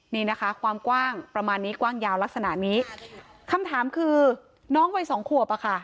นี่นะคะความกว้างประมาณนี้กว้างยาวลักษณะนี้คำถามคือน้องวัยสองขวบอะค่ะ